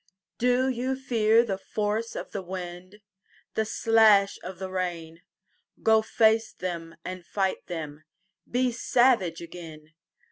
DO you fear the force of the wind, The slash of the rain? Go face them and fight them, Be savage again.